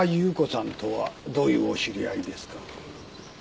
さんとはどういうお知り合いですか？